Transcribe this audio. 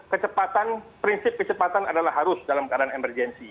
kecepatan prinsip kecepatan adalah harus dalam keadaan emergensi